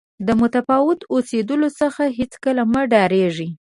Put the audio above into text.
د متفاوت اوسېدلو څخه هېڅکله مه ډارېږئ.